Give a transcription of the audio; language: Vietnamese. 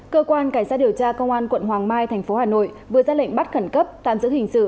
cơ quan cảnh sát điều tra công an quận hoàng mai thành phố hà nội vừa ra lệnh bắt khẩn cấp tạm giữ hình sự